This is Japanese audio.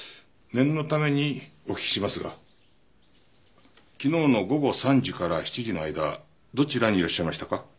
念のためにお聞きしますが昨日の午後３時から７時の間どちらにいらっしゃいましたか？